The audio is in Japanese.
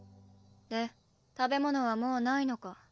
で食べ物はもうないのか？